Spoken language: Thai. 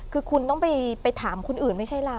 คือคุณต้องไปถามคนอื่นไม่ใช่เรา